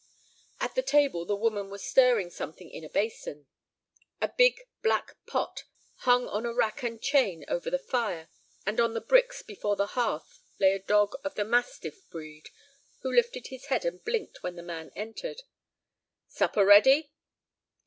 At the table the woman was stirring something in a basin. A big black pot hung on a rack and chain over the fire, and on the bricks before the hearth lay a dog of the mastiff breed, who lifted his head and blinked when the man entered. "Supper ready?"